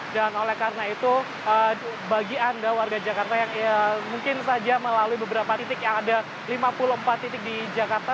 dan oleh karena itu bagi anda warga jakarta yang mungkin saja melalui beberapa titik yang ada lima puluh empat titik di jakarta